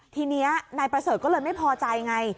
ทีนี้นายประเสริฐก็เลยไม่พอใจไง